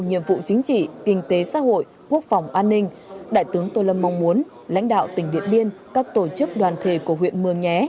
nhiệm vụ chính trị kinh tế xã hội quốc phòng an ninh